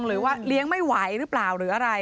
หรือว่าเลี้ยงไม่ไหวหรือเปล่า